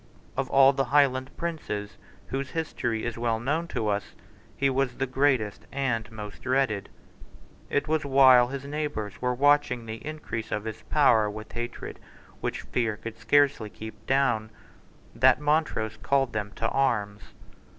Of all the Highland princes whose history is well known to us he was the greatest and most dreaded. It was while his neighbours were watching the increase of his power with hatred which fear could scarcely keep down that Montrose called them to arms.